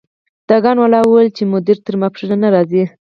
دکان والا وویل چې مدیر تر ماسپښین نه راځي.